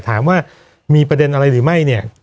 ถามว่ามีประเด็นอะไรหรือไม่เนี่ย